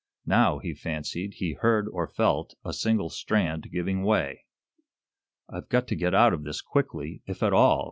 Now, he fancied, he heard or felt a single strand giving way. "I've got to get out of this quickly, if at all!"